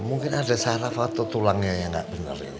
mungkin ada saraf atau tulangnya yang gak bener ini